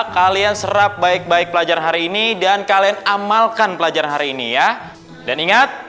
kalian serap baik baik pelajar hari ini dan kalian amalkan pelajaran hari ini ya dan ingat